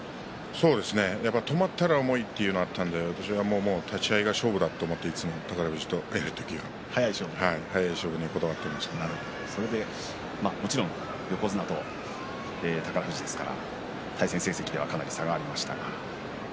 止まったら重いというのがあったので私は立ち合いが勝負だと思っていつも宝富士とやる時はもちろん横綱と宝富士ですから対戦成績ではかなり差がありましたが